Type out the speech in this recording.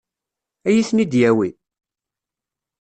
Ad iyi-ten-id-yawi?